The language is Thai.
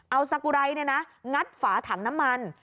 เอาสกุไรงัดฝาถังน้ำมัน